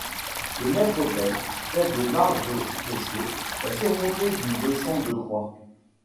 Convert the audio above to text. Le maître-autel, fait de marbres précieux, est surmonté d’une descente de croix.